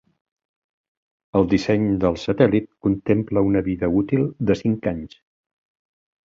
El disseny del satèl·lit contempla una vida útil de cinc anys.